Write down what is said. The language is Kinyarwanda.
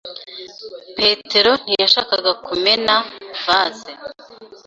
Petero ntiyashakaga kumena vase.